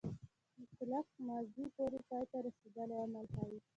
مطلق ماضي پوره پای ته رسېدلی عمل ښيي.